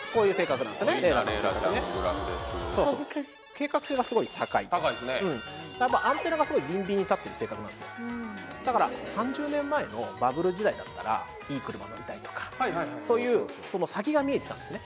計画性がすごい高いアンテナがすごいビンビンに立ってる性格なんですよだから３０年前のバブル時代だったらいい車乗りたいとかそういう先が見えてたんですね